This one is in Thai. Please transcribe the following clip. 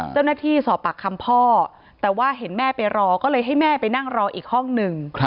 สอบปากคำพ่อแต่ว่าเห็นแม่ไปรอก็เลยให้แม่ไปนั่งรออีกห้องหนึ่ง